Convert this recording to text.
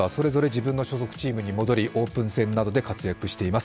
自分の所属チームに戻りオープン戦などで活躍しています。